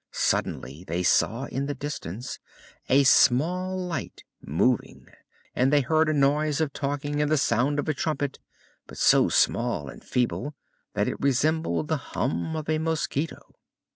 Suddenly they saw in the distance a small light moving and they heard a noise of talking, and the sound of a trumpet, but so small and feeble that it resembled the hum of a mosquito.